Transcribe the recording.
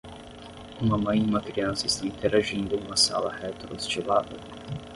Uma mãe e uma criança estão interagindo em uma sala retrostilada.